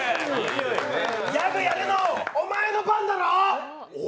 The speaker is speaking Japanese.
ギャグやるの、お前の番だろう？